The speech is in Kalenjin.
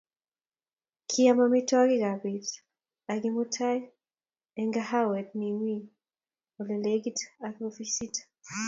Kiaam amitwokik ab bet ak Kimutai eng kahawet nimii olelekit ak afisit